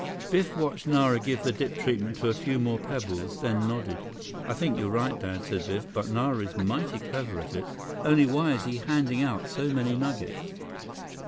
Biff watched Nara give the dip treatment to a few more pebbles, then nodded. "I think you're right, Dad," said Biff, "but Nara is mighty clever at it. Only why is he handing out so many nuggets?"